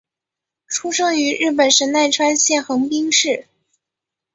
出生于日本神奈川县横滨市。